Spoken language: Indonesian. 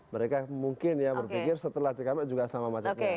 mereka mungkin ya berpikir setelah cikampek juga sama masyarakat